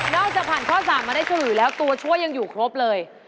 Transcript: นอกจากผ่านข้อ๓มาได้สรุปอยู่แล้วตัวชั่วยังอยู่ครบเลย